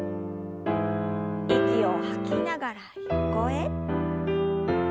息を吐きながら横へ。